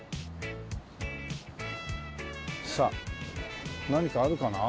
さあ何かあるかな？